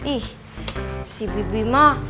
ih si bibi mah